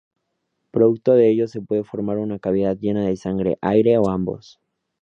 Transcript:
Producto de ello se puede formar una cavidad llena de sangre, aire, o ambos.